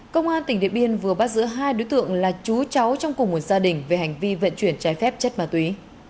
công an tỉnh điện biên vừa bắt giữ hai đối tượng là chú cháu trong cùng một gia đình về hành vi vận chuyển trái phép chất ma túy